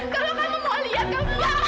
kalau kamu mau lihat kamu bisa lihat